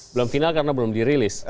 belum final karena belum dirilis